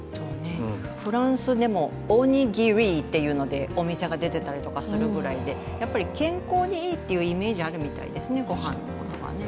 フランスでもオニギリというのでお店が出ていたりするぐらいやっぱり、健康にいいっていうイメージがあるみたいですね、ごはんってね。